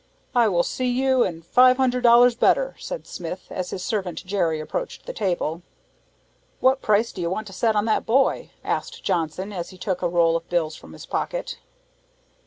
"I will see you, and five hundred dollars better," said Smith, as his servant Jerry approached the table. "What price do you set on that boy?" asked Johnson, as he took a roll of bills from his pocket.